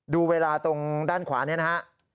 ดูเวลาตรงด้านขวานี้นะฮะ